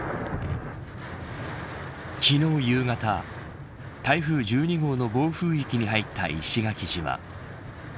昨日、夕方台風１２号の暴風域に入った石垣島。